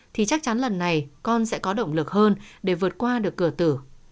thì chắc chắn lần này con sẽ có động lực hơn để vượt qua được cửa tử